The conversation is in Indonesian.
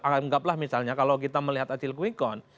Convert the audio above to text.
anggaplah misalnya kalau kita melihat hasil kwkon